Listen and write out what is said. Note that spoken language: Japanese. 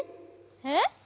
えっ？